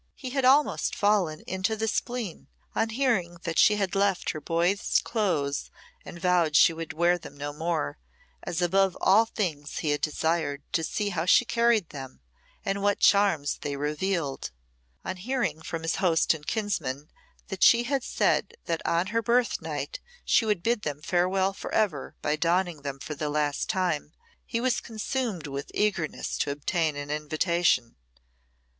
He had almost fallen into the spleen on hearing that she had left her boy's clothes and vowed she would wear them no more, as above all things he had desired to see how she carried them and what charms they revealed. On hearing from his host and kinsman that she had said that on her birth night she would bid them farewell for ever by donning them for the last time, he was consumed with eagerness to obtain an invitation.